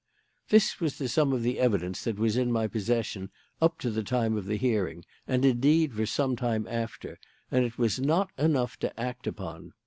"This was the sum of the evidence that was in my possession up to the time of the hearing, and, indeed, for some time after, and it was not enough to act upon.